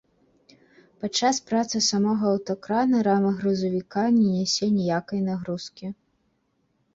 Падчас працы самога аўтакрана рама грузавіка не нясе ніякай нагрузкі.